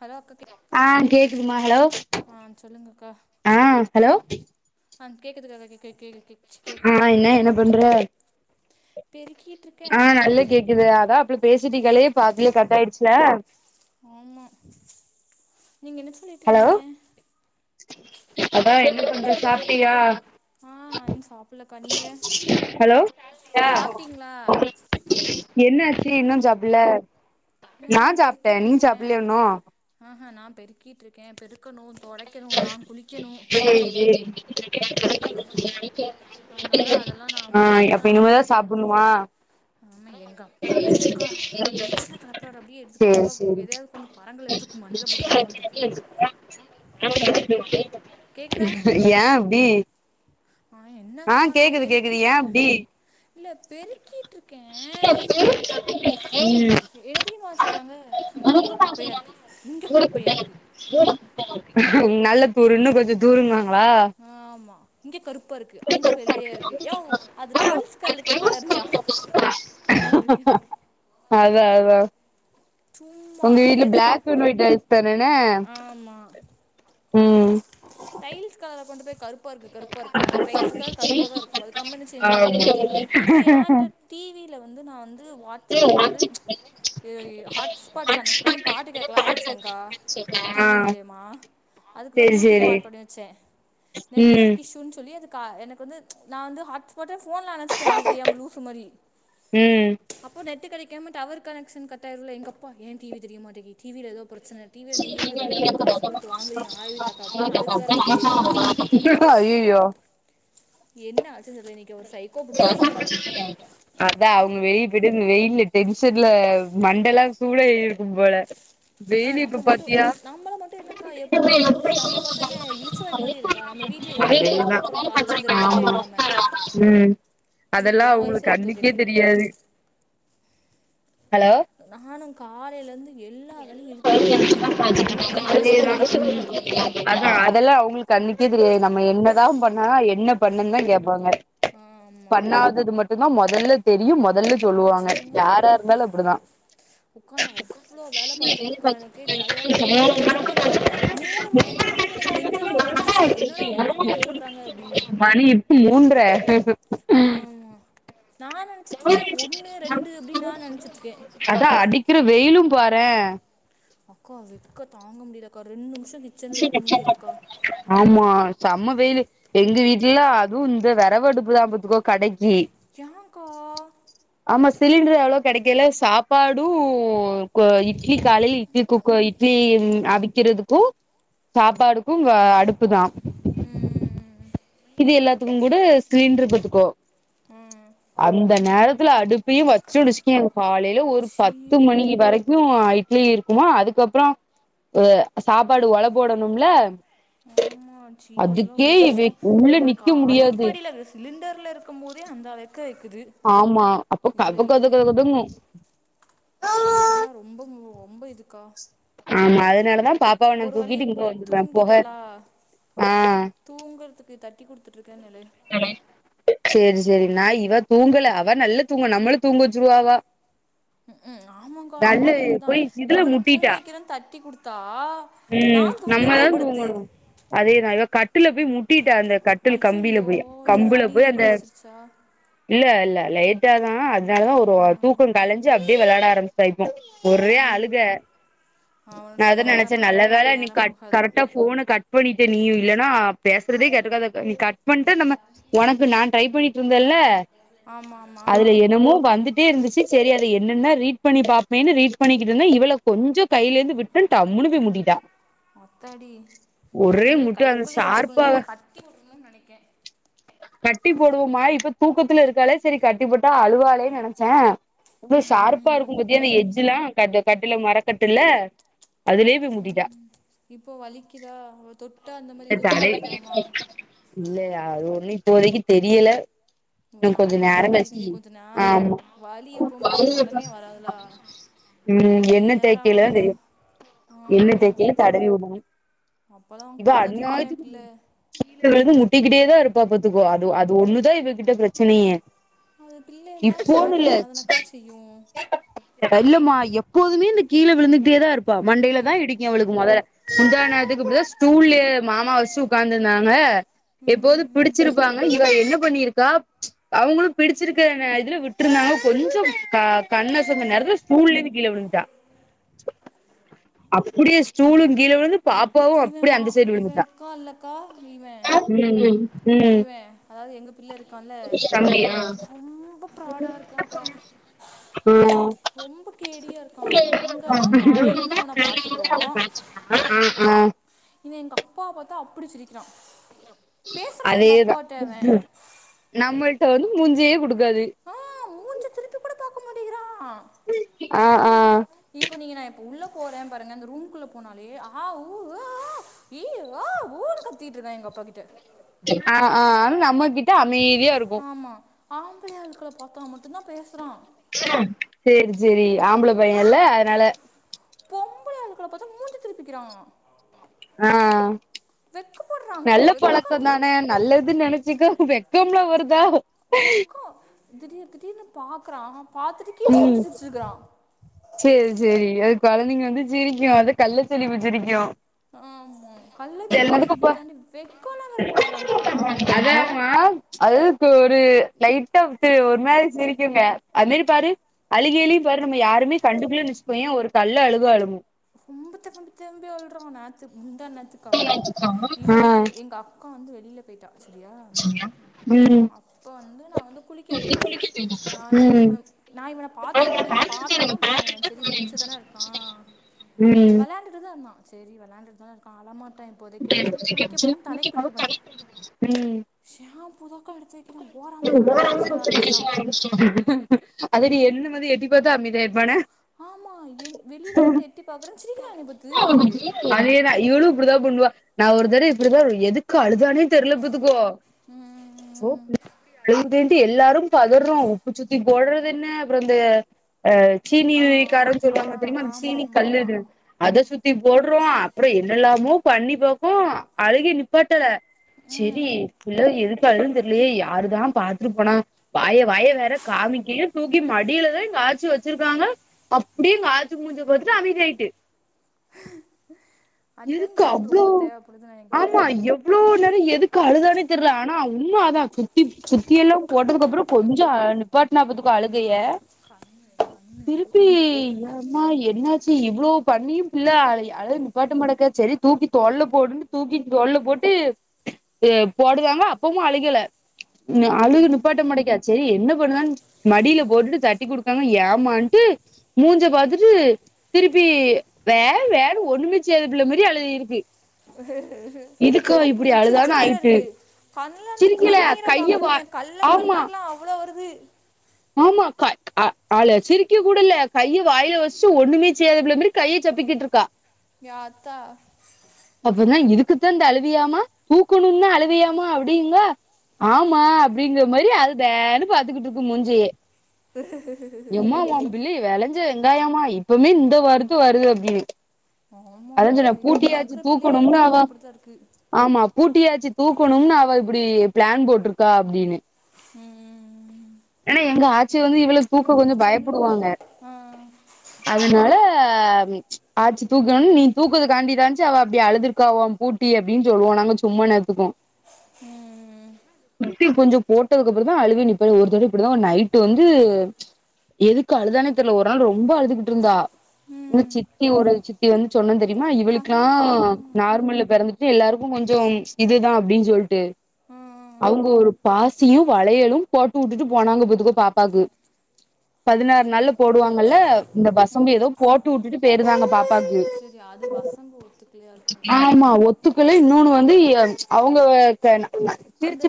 Hello அக்கா கேக் ஆ கேக்குதுமா ஹலோ ஆ சொல்லுங்க அக்கா அஹ் ஹலோ அ கேக்குதுக்கா கேக் கே கேக்குது கெச்சு ஆ கேக்குது ம் என்ன என்ன பண்ற பெருக்கீட்டுருக்க இது அதா அப்டி பேசிட்டீங்களே பாதில கட் ஆயிடுச்ல ஆமா நீங்க என்ன ஹலோ சொல்லிட்ருந்தீங்க அதா என்ன பண்ற சாப்ட்டியா ஆ இன்னு சாப்பலக்கா நீங்க சாப்ட்டீங்களா என்ன ஆச்சு இன்னும் சாப்பல ஆ நா சாப்ட்டேன் நீ பெருக்கிட்ருக்கே சாப்பலயா இன்னு ஆஹா நா பெருக்கிட்டு்ருக்கேன் பெருக்கணும் தொடைக்கணு நா குளிக்கணு [unintelligible] அதனால அதெல்லா நா ஆ முடிச்சுட்டு தா அப்ப நா இனிமேதா வந்து இது பண்ண முடியும் சாப்புட்ணுமா ஆமா எங்க அப்பா வேறகா எரிச்சுல களப்புறாரு அப்டியே எடுத்து போ சேரி சேரி எதயாது கொண்டு பாராங்கல்ல எடுத்து மண்டைல போட்றலாமான்ருக்கு [inaudible] ஏன் கேக்குதா அப்டி ஆ என்ன ஆ அக்கா நான் கேக்குது கேக்குது ஏ பெருக்கிட்டுருக்க அப்டி இல்ல பெருக்கிட்டுருக்கேன் என்னத் தெரிமா செய்றாங்க அங்க குப்பையா இருக்கு இங்கு குப்பையா இருக்கு உம் நல்ல [unintelligible] இன்னு கொஞ்ச தூருனாங்களா ஆமா இங்க கருப்பா இருக்கு அங்க வெள்ளையா இருக்கு யாவ் அது டைல்ஸ் க இருக்க கலர்யா அப்டின்ருக்கு எனக்கு அதா அதா சும்மா உங்க வீட்டுல எது பிளாக் அண்ட் ஒயிட் தரனே ஆமா ம் டைல்ஸ் கார கொண்டு போய் கருப்பு கருப்பா இருக்கு கருப்பா இருக்குன்னா டையில்ஸ்கு கருப்பா தா இருக்கு அதுக்கு நம்ம என்ன செய்ய முடியும் ம் இப்ப ஏன்ட டிவில வந்து நா வந்து ஆ வாட்ஸ்அப் வந்து இது ஹாட் ஸ்பாட் கனெக்ட் பண்ணி பாட்டு கேக்கலாம் நெனச்சேங்கா டிவி மூலியமா அதுக்கு தா செரி யூடியூப் செரி ஆன் [unintelligible] வச்சேன் ம் நெட்வொர்க் இஷ்யூன்னு சொல்லி அதுக்கு ஆ எனக்கு வந்து நா வந்து ஹா்ட் போட்ட ஃபோன்ல அனச்டேன் அது தெரியாம லூசு மாறி ம் அப்போ நெட்டு கடைக்காம டவர் கனக்ஷன் கட்டாயிர்துல எங்க அப்பா ஏன் டிவி தெரியமாட்டேது டிவில ஏதோ பிரச்சன டிவில நீங்க எதுக்கு தண்டமா காஸ் குடுத்து வாங்குறீங்க ஆய்வு தக்காப்புக்கானு அதுக்கு வேற ஒரே சத்தம் அய்யய்யோ என்ன ஆச்சு சொல்லு நீ அதா அவங்க வெளிய இன்னைக்கு போயிட்டு வெயில்ல டென்ஷன்ல மண்டலா சூடாயிருக்கும் போல ஆ வெயில் இப்ப நம்ம மட்டும் பாத்தியா [inaudible] நம்மளை மட்டும் என்னக்கா எப்படிக்கா தெரி நம்மளை பார்த்தா என்ன இழிச்சவாய் மாதிரி இருக்கா நம்ம வீட்டில் எவ்வளோ வேலை பார்க்குறோம் காலிலேருந்து ரெஸ்ட்டே ஆமா இல்லாமல் உம் எனக்கு அதெல்லா என் அவங்களுக் வயசே எக்கோ கண்ணுக்கே கேக்கு தெரியாது ஹலோ நானும் காலேலந்து எல்லா வேலையும் இழுத்து போட்டு பாத்துட்டுருக்கன்கா என்னைய பாத்தா மனுஷி மாரி இருக்கணும்ல்ல அங்களுக்குல்லாம் அ அதெல்லா அவங்களுக்கு கண்ணுக்கே தெரியாது நம்ம என்னதா பண்ணா என்ன பண்ணன் தா கேப்பாங்க ஆ ஆமாம் பண்ணாதது மட்டும்தா மொதல்ல தெரியும் மொதல்ல அதை சொல்லுவாங்க யாரா இருந்தாலும் அப்டிதா உக்காந்து அவ்ளோ வேல பாத்துருக்குக்கா எனக்கே டயர்டா இருக்கு எனக்கு நிஜமாலே மூணு மணி சொல்லும் போது எனக்கு நெஞ்சலாம் வெடிச்சிரு ச்சு என்னடா மூணு மணின்னு சொல்றாங்க அப்டின்னு மணி மூன்ற ஆமா நா என்னா நெனச்சிட்ருக்கே ஒண்ணு ரெண்டு அப்டின் நா நெனச்சிட்ருக்கே அதா அடிக்கிற வெயிலு பாரே அக்கா வெக்க தாங்க முடில்லக்கா ரெண்டு நிம்ஷோ சே வச்சர்றே ஆமா செம்ம வெயிலு எங்க வீட்லலா அதுவு இந்த வெரவடுப்புதா பாத்துக்கோ கடைக்கி ஏ க்கா ஆமா சிலிண்ட்ரு அவ்ளோ கெடைக்கல சாப்பாடு இ ட்லி காலைல இட்லி குக்க இட்லி அவிக்கிறதுக்கு சாப்பாடுக்கு வ அடுப்புதா ம் மீதி எல்லாத்துக்குங்கூட சிலிண்ட்ரு பாத்துக்கோ அந்த நேரத்துல அடுப்பையு வச்சோன் வச்சுக்கேன் காலைல ஒரு சீ பத்து மணி வரை க்கு இட்லி இருக்குமா அதுக்கப்றோ அ சாப்பாடு ஒல போடணும்ல ஆ சீ அதெல்லா அதுக்கே ரொம்ப இவ கஷ்டோ உள்ள நம்மளுக்கு நிக்க முடியாது அடுப்படில வி சிலிண்டர்ல் இருக்கு போதே அந்த வெக்க வெக்குது ஆமா அப்போ இதுல கப கத இதெல்லா கத கதங்கு இதெல்லா ரொம்ப மு ரொம்ப இதுக்கா ஆமா அதனாலதா பாப்பாவ நா ஒரு வழியா தூக்கிட்டு இங்க பிள்ள வந்துருவே பொக ஆ தூங்கறதுக்கு தட்டி குடுத்துட்ருக்கேன்னல ஆமா சேரி சேரி நா இவ தூங்கல அவ நல்ல தூங்குவா நம்மள தூங்க வச்சுருவா அவ ம் ஹும் ஆமாங்கா நானு இப்டி தா போய் இதுல இவன தூங்க முட்டிட்டா வக்கிறேன் தட்டி குடுத்தா நா தூங்கிர்றே படுத்து அதே நாங்க கட்டில்ல போய் முட்டிட்டா அந்த கட்டில் கம்பில போய் ஓ கம்புல எது‌அடியிடி போய் அந்த படிச்சிருச்சா இல்ல இல்ல லைட்டாதா அதனாலதா ஒரு தூக்கோ கலஞ்சு அப்டியே வெளாட ஆரம் ச்சா இப்போ ஒரே அழுக அவன நா அதா நெனச்சே நல்ல சமாதானப்படுத்தவே வேள நம்மளுக்கு நீ நேரம் கட் போகாது கரெக்டா ஃபோன க ட் பண்ணிட்ட நீயு இல்லனா பேசறதே கேட்ருக்காது நீ கட் பண்ட்டு நம்ம ஒனக்கு நா ட்ரை பண்ணி ட்ருந்தல்ல ஆமா ஆமா அதுல என்னமோ வந்து ட்டே இருந்துச்சு சேரி அத என்னன்ன ரீட் பண்ணி பாப்மேனு ரீட் பண்ணிக்கிட்ருந்தே இவள கொஞ்சோ கைலேந்து வி டே டம்முணு‌ போய்‌முட்டிட்டா ஆத்தாடி இப்போ இன்மேல் முட்டு அந்த கைக்குள்ளயே வச்சுக்கணு ஷார்ப்பா இன்மேல் கட்டி போட்றணுன் நெனைக்கே கட்டி போடுவோமா இப்ப தூக்கத்துல இருக்காலே செரி கட்டி போட்டா அழுவாலே நெனச்சே இது சார்ப்பா ம் இருக்கு பாத்தியா அந்த எஜ்ஜுல கட்டு கட்டுலு மரக்கட்டுல்ல அதுலே போய் முட்டிட்டா இப்போ வலிக்கிதா அவ தொட்டா அந்த மாரி எது வலிக்கிதாமா இல்லயா அது ஒண்ணு இப்போ வரைக்கு தெரியல இன்னு கொஞ்ச நாளைக்கு நேரோ தான் வலி கழ்ச்சி தெரியும் கொஞ்ச நே ஆமா வலி எப்பவுமே உடனே வராதுலா ம் எண்ண நேரம் தேக்கய்ல தா ஆக தெரியு எண்ண ஆமா ஆமா தேக்கய்ல தடவி விடு அப்போல்லாம் இது கதறிடுமே அன்நாயத்துக்கு பிள்ளை கீழ விழுந்து முட்டிக்கிட்டேதா இருப்பா பாத்துக்கோ அது அது ஒண்ணுதா இவகிட்ட பிரச்சனயே அது பிள்ளைல்லா சேட்ட பண்ணதானக்கா செய்யு இல்லம்மா எப்போதுமே இந்த கீழ விழுந்துகிட்டேதாருப்பா மண்டைல தா இடிக்கு இவளுக்கு மொதல முந்தா நேத்துக்கு இப்டிதா ஸ்டூல்லயே மாமா வச்சுட்டு உக்காந்துருந்தாங்க எப்போது ம், பிடிச்சிருப்பாங்க இவ என்ன பண்ணிருக்கா அவங்களு பிடிச்சிருக்க நே இதுல விட்டுருந்தாங்க கொஞ்சோ க கண்ணசந்த நேரத்துல ஸ்டூல்ல இருந்து கீழே விழுந்துட்டா அப்டியே ஸ்டூலு கீழ விழுந்து பாப் பாவு அப் என்னமா இவே இருக்கா இல்லக்கா இவே ம் ம் இவே அதாவது எங்க பிள்ள இருக்கான்ல ரொம்ப ப்ராடா இருக்காக்கா ம் ரொம்ப கேடியா இருக்கா நாங்க தா காலேல இருந்து அவன பாத்துக்குறோ ஆ ஆ இவே எங்க அப்பாவ பாத்தா அப்டி சிரிக்கிறா பேசுறா எங்க அதேதா அப்பாட்ட இவே நம்மள்ட்ட வந்து மூஞ்சயே குடுக்காது ஆ மூஞ்ச திரிப்பி கூட பாக்க மாட்டேகிறா ஆ ஆ இப்ப நீங்க நா இப்ப உள்ள போறே பாருங்க அந்த ரூமுக்குள்ள போனாலே ஆ உ ஏ ஏ இ ஓ ஊன்னு கத்திகிட்டுருந்தா எங்க அப்பாகிட்ட ஆ ஆ ஆன்னு நம்மகிட்ட அமைதியா இருக் ஆமா ஆம்பள ஆளுக்கள பாத்தா மட்டுந்தா பேசுறா சேரி சேரி ஆம்பள பையே இல்ல அதனால பொம்பள ஆளுகள பாத்தா மூஞ்ச திருப்பிக்கிறா ஆ நல்ல வெக்கலாம் பழக்கந்தான நல்லதுன்னு நினைச்சுக்கோ வெக்கம்லா வருதா வெக்கம் திடீர் திடீர்னு பாக்குறா பாத்துட்டு ம் சேரி சேரி அது கொழந்தைங்க வந்து சிரிக்கு அது கள்ள சிரிப்பு சிரிக்கு ஆமா கள்ளச்சிரிப்பு அதுக்கப்ப சிரிக்கிறத தாண்டி வெட்கோல்லா வேற படுறாக்கா அதாமா அதுக்கு ஒரு லைட்டா ஒரு மாரி சிரிக்குங்க அந்த மாரி பாரு அழிகி அழிகி பாரு நம்ம யாருமே கண்டுக்கலன்னு வச்சுகோயே ஒரு கள்ள அழுக அழுகு கும்பத்த தேம்பி தேம்பி அழுறா நேத்து முந்தா நேத்துக்கா இவனுக்கு ம் எங்க அக்கா வந்து வெளில போயிட்டா செரியா ம் அப்ப வந்து நா வந்து குளிக்க போயிட்டே நா செரி ம் இவே நா இவன பாத்துட்டு தா இருந்தே இவே பாத்துட்டு தா போனே இவே செரி முழிச்சுதான இருக்கா ம் வெளாண்டுட்டுதா இருந்தா சேரி வெளாண்டுட்டுதான இருக்கா அழ மாட்டா இப்போதைக்கி அப்டி சொல்லி குளிக்க போவோன்னு தலக்கி குளிக்க போனே ம் ஷாம்பூ தாக்கா எடுத்து வைக்கிறே ஓராமான்னு பரிக்கச்ச ஆரம்பிச்சிட்டா அதோட என்னமது எட்டி பாத்தா அமைதியாயிரு ஆமா என் வெளில வந்து எட்டி பாக்குறே சிரிக்கிறா என்னய பாத்து அதேதா இவளு இப்டிதா பண்ணுவா நா ஒரு தரோ இப்டிதா எதுக்கு அழுதானே தெரில பாத்துக்கோ ஓ எதுக்குன்ட்டு எல்லாரு பதர்றோ உப்பு சுத்தி போடுறது என்ன அப்பறோ இந்த ஆ சீனி வக்காரன்னு சொல்லுவாங்க ஆமாம் தெரியுமா அந்த சீனி ஆமாம் கல்லு இது ஆமாம் அத சுத்தி போடுறோ அப்பறோ என்னல்லாமோ பண்ணி பாக்கோ அழுகய நிப்பாட்டல செரி ம் பிள்ள எதுக்கு அழுதுன்னு தெரிலையே யாருதா பாத்துட்டுப்போனா வாய வாய வேற காமிக்கின்னு தூக்கி மடியிலதா எங்க ஆட்சி வச்சிருக்காங்க அப்டியே எங்க ஆச்சி மூஞ்ச பாத்துட்டு அமைதியாயிட்டு எதுக்கு அட்டென்ஷன் ரொம்ப தேவப்படுது நெனைக்கே இவ்ளோ நேரோ எதுக்கு அழுதானே தெர்ல ஆனா உண்ம அதா சுத்திப் சுத்தி எல்லா போட்டதுக்கப்பறோ கொஞ்சோ அ நி பாட்னா பாத்துக்கோ அழு ஆ ஆ கண்ணு கண்ணு ஊர்லா பட்ட கண் ம்மா என்னாச்சி இவ்ளோ பண்ணியு பிள்ள அழய அழற்த் உடு நிப்பாட்ட மாட்டக்கே செரி தூக்கி தோள்ல போடுன்ட்டு தூக்கி தோள்ல போட்டு து போடுவாங்க அப்பவு அழுகெல ம் அழுக நிப்பாட்ட மாட்டேக்கே சேரி என்ன பண்ணுதான் மடில போட்டுட்டு தட்டி குடுக்காங்க ஏமான்ட்டு மூஞ்ச பாத்துட்டு திருப்பி வே வேனு ஒன்னுமே செய்யாத பிள்ள மாரி அழு திருப்பி உஹ அப்புடிதா அழுதான்னு சிரிச்சுட்டு வேற ஆயிட்டு இருக்கு கண்லர்ந்து சிரிக்கல கண்ணீர கைய வா பாக்கணுமே ஆமா கள்ளக்கண்ணீர்லா அவ்வளோ வருது ஆமா கை அ ஆளு சிரிக்க கூட இல்ல கையி வாய்ல வஸ்ட்டு ஒன்னுமே செய்யாத பிள்ள மேரி கைய சப்பிக்கிட்ருக்கா ஏ ஆத்தா அப்பிட்னா இதுக்குத்தா இந்த அழுவியாமா தூக்கணுன்னா அழுவியாமா அப்டிங்கா ஆமா அப்டிங்கற மாரி அது பேனு பாத்துக்கிட்டுக்கு முஞ்சீ ஹ எம்மா உம்பிள்ளை வெளஞ்ச வெங்காயமா இப்பமே இந்த வருத்து வருது அப்டினு அதா ஆமாம்மா சொன்னே இப்போ பூட்டிய ஆச்சி இருக்கிற பிள்ளைகள் தூக்கோணும்னு எல்லாமே அவ அப்படி தான் இருக்கு ஆமா பூட்டிய ஆச்சி தூக்கோணும்னு அவ இப்பிடி ப்ளான் போட்ருக்கா அப்டினு ம். ஏனா எங்க ஆச்சி வந்து இவள அந்த தூக்க கொஞ்சோ பிள்ளைக்கு சொல்ல வருது பயப்படுவாங்க ஆ, அதுனால ஆச்சி தூக் கோனுன் நீ தூக்கற்துகாண்டிதான்ச்சி அவ அப்டி அழுதுருக்கா உம்பூட்டி அப்டின் சொல்லுவோ நாங்க சும்மா நேத்துக்கு ம் சுத்தி கொஞ்சோ போட்டதுக்கப்பறந்தா அழுகைய நிப்பறது ஒரு தடவ இப்பிடி தா நைட்டு வந்து எதுக்கு அழுதானே தெர்ல ஒரு நாள் ரொம்ப அழுதுகிட்ருந்தா எங்க ம். சித்தி ஒரு சித் தி வந்து சொன்னந்தெரிய்மா இவளுக்கெல்லா கண்ணு ம், நார்மல்ல பிறந்துட் டு எல்லார்க்கு கொஞ்சோ இதுதா இது தா அப்டின் சொல்லிட்டு அவுங்க ம், ஒரு பாசியு, வளையலு போட்டு உட்டுட்டு போனாங்க பாத்துக்கோ பாப்பாக்கு பதினாறு நாள்ல ம், போடுவாங்கல்ல இந்த வசம்பு எதோ போட்டு உட்டுட்டு பேயிருந்தாங்க பாப்பா சேரி அது வசம்பு ஒத்துக்லையா இருக்கு ம் த்துக்குள்ளே இன்னோன்னு வந்து எ அவுங்க கே ந நா அந்த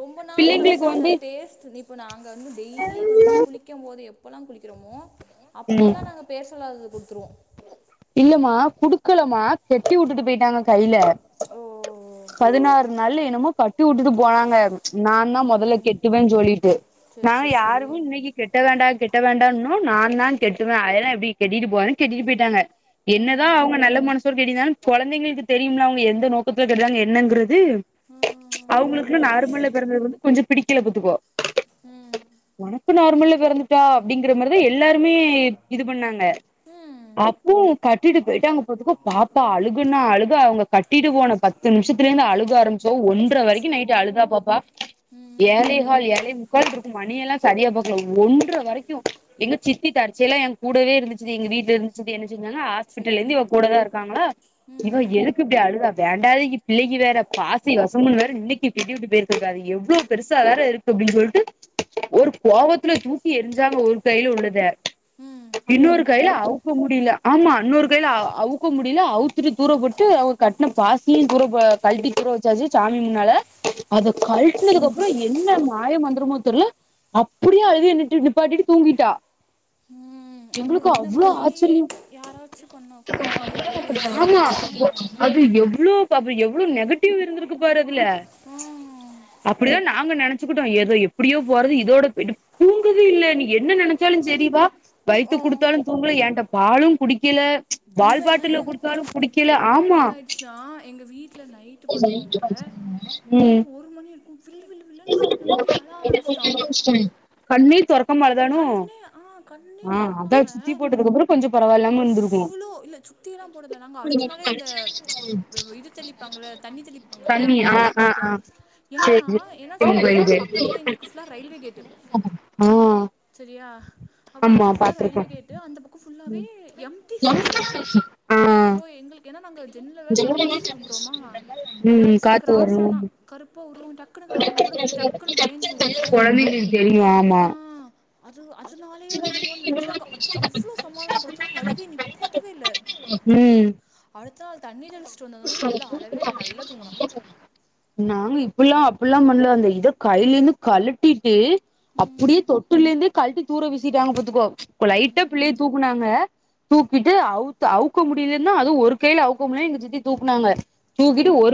ரொம்ப நாள் கழிச்சு அந்த வந்து பேஸ்ட்டு இப்ப நாங்க வந்து டெய்லி வந்து குளி க்கும் போது எப்பல்லா குளிக்கிறமோ ம் அப்பல்லா நாங்க பேர் சொல்லாதது குடுத்துருவோ இல்லமா குடுக்கலமா கெட்டி உட்டுட்டு போய்ட்டாங்க கைல ஓ பதினாறு நாள்ல என்னமோ கட்டி உட்டுட்டு போனாங்க நா தா மொதல்ல ம் கெட்டுவேன் சொல்லிட்டு சரி நாங்க சரி சரி யாருமே இன்னைக்கு கெட்ட வேண்டா கெட்ட வேண்டான்னோ நா தா கெட்டுவே அதெல்லா எப்டி கெட்டிட்டு போறே கெட்டிட்டு போய்ட்டாங்க என்னதா ம் அவங்க நல்ல மனசோட கெட்டிர்ந்தாலு கொழந்தைங்களுக்கு தெரியும்ல அவுங்க எந்த நோக்கத்துல கெட்டுறாங்க என்னங்கறது ம் அவுங்களுக்கு நார்மல்ல பிறந்தது வந்து கொஞ்சோ பிடிக்கல பாத்துக்கோ ம் ம் ஒனக்கு நார்மல்ல பிறந்துட்டா அப்டிங்கற மாரிதா எல்லாருமே இத் இது பண்ணாங்க ம் அப்பவு கட்டிட்டு போய்ட்டாங்க பாத்துக்கோ பாப்பா அழுகன்னா அழுக அவுங்க கட்டிட்டு போன ப த்து நிம்ஷத்துலருந்து அழுக ஆரம்பிச்சவ ஒன்ற வரைக்கு அச்சச்சோ நைட்டு அழுதா பாப்பா ஏழே ம் கால் ஏழே முக்கால்ருக்கு மணியெல்லா சரியா பாக்கலா ஒன்ற வரைக்கு எங்க சித்தி கடைசியில ஏ கூடவே இருந்துச்சுது எங்க வீட்ல இருந் சித்தி என்ன செஞ்சாங்க சரி ஹாஸ்பிட்டலேந்து இவ கூடதா இருக்காங்களா இவ ம் எதுக்கு இப்புடி அழுதா வேண்டாதுக்கி இப்பிள்ளைக்கி வேற பாசி வசம்புனு வேற இன்னைக்கி கெட்டி விட்டு போயிருக்குதுக அது எவ்ளோ பெருசா வேற இருக்கு அப்புடின் சொல்ட்டு ஒரு கோவத்துல தூக்கி எரிஞ்சாங்க ஒரு கைய்ல உள்ளத ம் அது இன்னோரு கைல அனுப்பிட்டா அவ் க்க முடியில ஆமா இன்னொரு கையில அ அவுக்க முடியல அவுத்துட்டு தூரப்போட்டு அவுங்க கட்ன பாசியு தூரப்ப கழட்டி தூற வச்சாச்சு சாமி முன்னால அத ம் கழட்னதுக்கு அப்பறோ என்ன மாய மந்தரமோ தெர்ல அப்புடியே அழுகைய நிட்டு நிப்பாட்டிட்டு தூங்கிட்டா ம் அப்போ எங்களுக்கு இந்த அவ்ளோ மாரி இ ஆச்சரியம் யாராச்சும் பண்ணா கூட அப்புடி அழுகைய ஆமா நிப்பாட்டிருவாங்க அது எவ்ளோ பாப்போ எவ்ளோ நெகட்டிவு இருந்துருக்கு பாரு அதுல ம் அப் அப்புடிதா நாங்க நெனச்சுக்குட்டோ ஏதோ எப்புடியோ போறது இதோட பொய்ட்டு தூங்குதே இல்ல நீ என்ன நெனச்சாலு செரி வா வயித்துக் ம் குடுத்தாலு தூங்கல ஏன்ட்ட பாலு குடிக்கெல பால் பாட்டில்ல இவன் குடுத்தாலு குடிக்கெல ஒரு நாள் ஆமா என்ன ஆயிடுச்சுன்னா எங்க வீட்ல நைட்டு பாத்துக்கோங்க ம் நைட்டு ஒரு மணி இருக்கும் வில் வில் வில்லுன்னு கண்ண மூடி அழ ஆரம்பிச்சிட்டான் கண்ணே தொரக் கண்ணேன ஆ கண்ணே அதா தொறக்காம சுத்தி போட்டதுக்கு அப்றோ கொஞ்சோ பரவாயில்லாம இருந்திருக்கு அவ்ளோ இல்ல சுத்தியில்லா போடல நாங்க அடுத்த நாளே இந்த ப வ இது தெளிப்பாங்கல்ல தண்ணி தெளிப்பாங்கல்ல தண்ணி அங்க ஆ எடத்துக்கு ஆ பொயிட்டோ ஆ ஏன்னா என்ன சொல்ல சேரி முடியாதுன்னா பக்கத்துல எங்களுக்கு ஃபுல்லா ரயில்வே கேட்டு ஆ ஆ செரியா ஆ ஆமா பக்கத்துல ஃபுல்லா பாத்துருக்கோ ரயில்வே கேட்டு அந்த பக் கோ ஃபுல்லாவே எம்டி ஸ்ஃபேஸு ஆ சோ எங்களுக்கு ஏனா நாங்க ஜென்னல வேற தொறந்து வச்சுட் தூங்குறோமா ம் எதாச்சு காத்து க்ராஸ் வரு ஆன கருப்பா உருவோ டக்குன்னு கிராஸ் ஆன கூட பிள்ள டக் டக்குனு பயந்துருவோம்ல கொழந்தைங்களுக்கு தெரியு ஆமா ஆ அது அது நாளையோ என்னமோன் நெனச்சு அங்க அத் தவ்ளோ சமாதானப்படுத்துறோ அழுகேயே நிப்பாட்டவே இல்ல ம் அடுத்த நாள் தண்ணீர் தெலிச்சு ட்டு வந்தந்து பிள்ள அளவே இல்ல நல்லா தூங்குனா நாங்க இப்புல்லா அப்புல்லா பண்ணல அந்த இத கையிலேந்து கழட்டிட்டு ம் அப்புடியே தொட்டுல்லேந்தே கழட்டி தூர வீசிட்டாங்க பாத்துக்கோ இப்ப லைட்டா புள்ளைய தூக்குனாங்க தூக்கிட்டு அவுத்து அவுக்க முடியலேன்னா அதுவு ஒரு கையில அவுக்க முடியலேனா எங்க சித்தி தூக்குனாங்க தூக்கிட்டு ஒரு